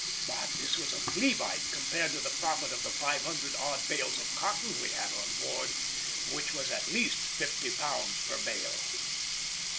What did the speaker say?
But this was a flea bite compared to the profit on the 500 odd bales of cotton we had on board, which was at least £50 per bale.